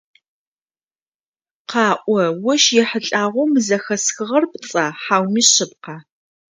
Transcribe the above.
Къаӏо, ощ ехьылӀагъэу мы зэхэсхыгъэр пцӀа хьауми шъыпкъа?